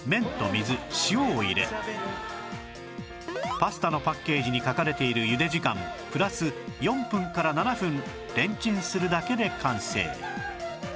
パスタのパッケージに書かれているゆで時間プラス４分から７分レンチンするだけで完成